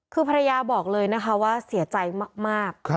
คือภรรยาบอกเลยนะคะว่าเสียใจมาก